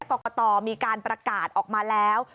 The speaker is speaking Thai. กรกตมีการประกาศออกมาแล้ว